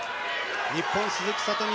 日本、鈴木聡美。